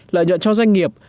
lợi nhận cho doanh nghiệp